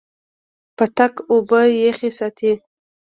پتک اوبه یخې ساتي.